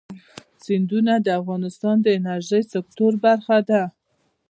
سیندونه د افغانستان د انرژۍ سکتور برخه ده.